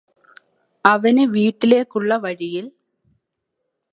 അവന് വീട്ടിലേക്കുള്ള വഴിയില്